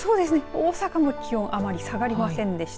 大阪も気温あまり下がりませんでした。